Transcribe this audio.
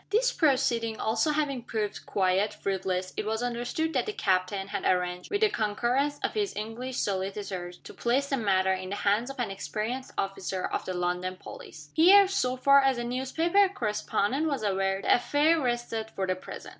This proceeding also having proved quite fruitless, it was understood that the captain had arranged, with the concurrence of his English solicitors, to place the matter in the hands of an experienced officer of the London police. Here, so far as the newspaper correspondent was aware, the affair rested for the present.